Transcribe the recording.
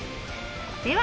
では